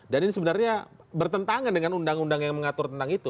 dan ini sebenarnya bertentangan dengan undang undang yang mengatur tentang itu